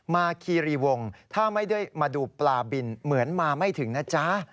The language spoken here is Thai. คีรีวงถ้าไม่ได้มาดูปลาบินเหมือนมาไม่ถึงนะจ๊ะ